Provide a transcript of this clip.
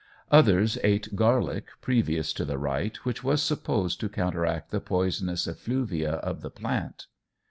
Others ate garlic previous to the rite, which was supposed to counteract the poisonous effluvia of the plant.